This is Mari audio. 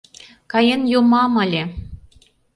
Каен йомам ыле!